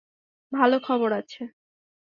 ভালো খবর আছে।